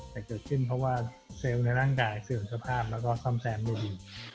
แต่เกิดขึ้นเพราะว่าเซลล์ในร่างกายเสื่อมสภาพแล้วก็ซ่อมแซมได้ดี